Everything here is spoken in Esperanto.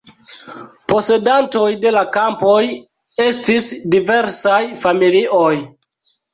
Posedantoj de la kampoj estis diversaj familioj.